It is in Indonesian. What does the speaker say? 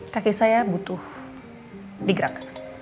kaki saya butuh digerak